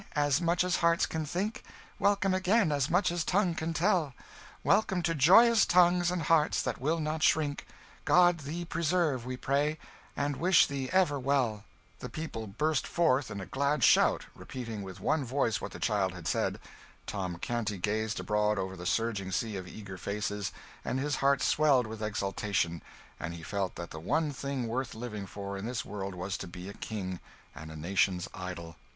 as much as hearts can think; Welcome, again, as much as tongue can tell, Welcome to joyous tongues, and hearts that will not shrink: God thee preserve, we pray, and wish thee ever well.' The people burst forth in a glad shout, repeating with one voice what the child had said. Tom Canty gazed abroad over the surging sea of eager faces, and his heart swelled with exultation; and he felt that the one thing worth living for in this world was to be a king, and a nation's idol.